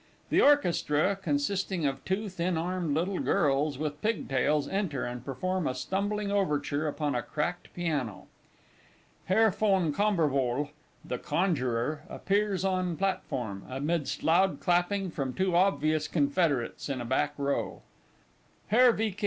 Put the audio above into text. [_The Orchestra, consisting of two thin armed little girls, with pigtails, enter, and perform a stumbling Overture upon a cracked piano._ HERR VON KAMBERWOHL_, the Conjuror, appears on platform, amidst loud clapping from two obvious Confederates in a back row_. HERR V. K.